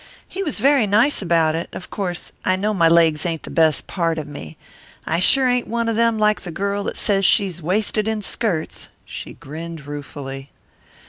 He was very nice about it. Of course I know my legs ain't the best part of me I sure ain't one of them like the girl that says she's wasted in skirts." She grinned ruefully.